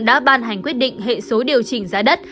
đã ban hành quyết định hệ số điều chỉnh giá đất